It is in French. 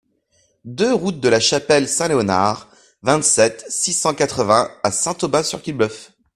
deux route de la Chapelle Saint-Léonard, vingt-sept, six cent quatre-vingts à Saint-Aubin-sur-Quillebeuf